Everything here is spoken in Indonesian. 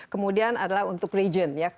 kemudian adalah untuk region